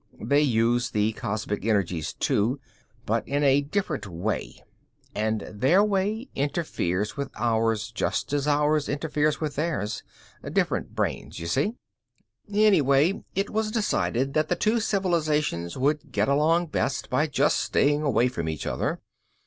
They use the cosmic energies too, but in a different way and their way interferes with ours just as ours interferes with theirs. Different brains, you see. "Anyway, it was decided that the two civilizations would get along best by just staying away from each other.